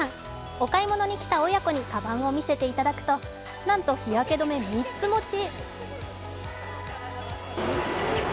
お買い物に来た親子にかばんを見せていただくと、なんと日焼け止め３つ持ち。